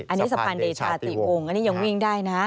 อันนี้สะพานเดชาติวงอันนี้ยังวิ่งได้นะ